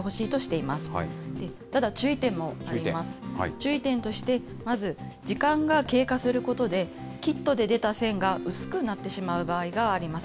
注意点として、まず、時間が経過することで、キットで出た線が薄くなってしまう場合があります。